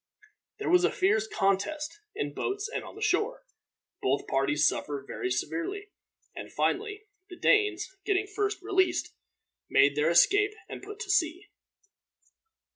There was a fierce contest in boats and on the shore. Both parties suffered very severely; and, finally, the Danes, getting first released, made their escape and put to sea.